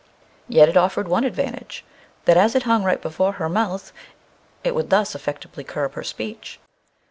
Yet it offered one advantage, that as it hung right before her mouth, it would thus effectively curb her speech.